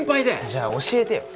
じゃあ教えてよ。